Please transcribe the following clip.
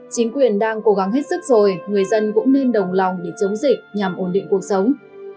chính quyền đang cố gắng hết sức rồi người dân cũng nên đồng lòng để chống dịch nhằm ổn định cuộc sống